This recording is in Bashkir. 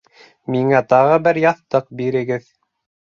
Миңә тағы бер яҫтыҡ бирегеҙ